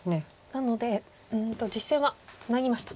なので実戦はツナぎました。